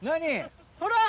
ほら！